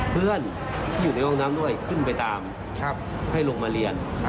เพื่อนที่อยู่ในห้องน้ำด้วยขึ้นไปตามให้ลงมาเรียน